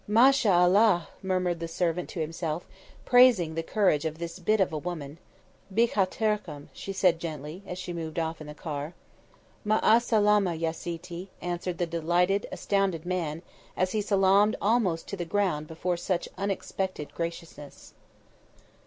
"Ma sha Allah!" murmured the servant to himself, praising the courage of this bit of a woman. "Bikhatirkum," she said gently, as she moved off in the car. "Ma'a s salamah ya sitti," answered the delighted, astounded man as he salaamed almost to the ground before such unexpected graciousness.